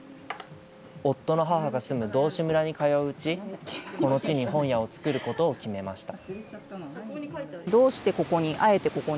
夫の母が住む道志村に通ううち、この地に本屋を作ることを決めました。